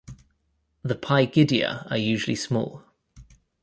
The pygidia are usually small.